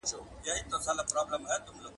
که سینه ساتې له خاره چي رانه سې !.